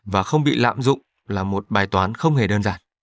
và không bị lạm dụng là một bài toán không hề đơn giản